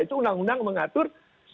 itu undang undang mengatur